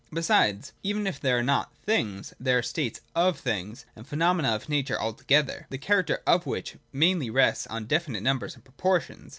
Besides, even if there are not things, there are states of things, and phenomena of nature altogether, the character of which mainly rests on definite numbers and proportions.